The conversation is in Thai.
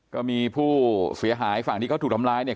ก็มีผู้เสียหายฝั่งที่เขาถูกทำร้ายเนี่ย